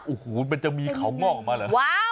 โอ้โหมันจะมีเขางอกมาเหรอ